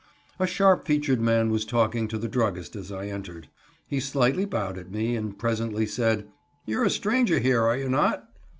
A sharp featured man was talking to the druggist as I entered. He slightly bowed at me, and presently said: "You're a stranger here, are you not?"